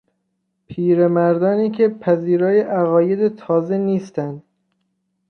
پیرمردانی که پذیرای عقاید تازه نیستند